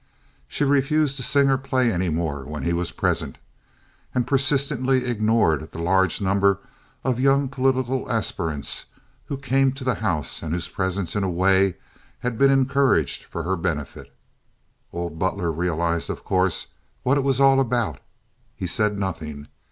She refused to sing or play any more when he was present, and persistently ignored the large number of young political aspirants who came to the house, and whose presence in a way had been encouraged for her benefit. Old Butler realized, of course, what it was all about. He said nothing.